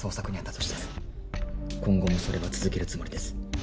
そして今後もそれは続けるつもりです。